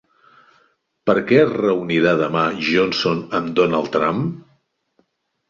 Per què es reunirà demà Johnson amb Donald Trump?